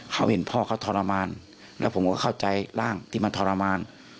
เขาเห็นพ่อเขาทรมานแล้วผมก็เข้าใจร่างที่มันทรมาน